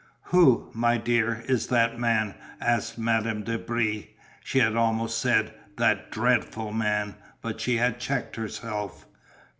"Who, my dear, is that man," asked Madame de Brie. She had almost said "that dreadful man" but she had checked herself.